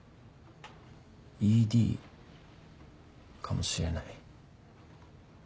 ＥＤかもしれない。